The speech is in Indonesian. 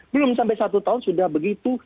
belum sampai satu tahun sudah begitu